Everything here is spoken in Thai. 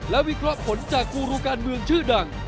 และวิเคราะห์ผลจากกูรูการเมืองชื่อดัง